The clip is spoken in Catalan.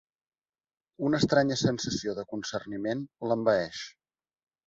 Una estranya sensació de concerniment l'envaeix.